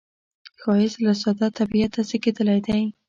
ښایست له ساده طبعیته زیږېدلی دی